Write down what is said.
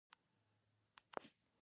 د اغوستلو توکي تر خپلې اندازې زیات وي